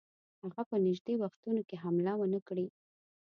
هغه په نیژدې وختونو کې حمله ونه کړي.